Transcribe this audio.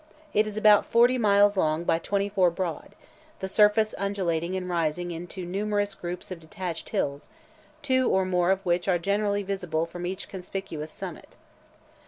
It is about forty miles long by twenty four broad; the surface undulating and rising into numerous groups of detached hills, two or more of which are generally visible from each conspicuous summit.